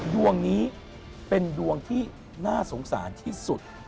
ดวงนี้เป็นดวงที่น่าสงสารที่สุด